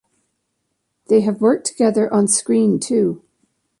They have worked together on screen too.